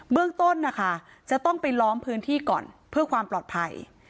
เรื่องต้นนะคะจะต้องไปล้อมพื้นที่ก่อนเพื่อความปลอดภัย